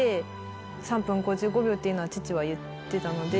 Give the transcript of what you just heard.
次の。っていうのは父は言ってたので。